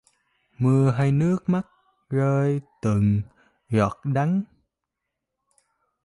Mưa hay nước mắt rơi từng giọt đắng